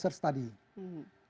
selalu melakukan treasure study